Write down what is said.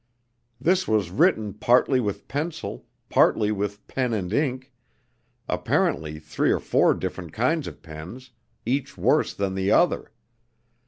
This was written partly with pencil, partly with pen and ink, apparently three or four different kinds of pens, each worse than the other.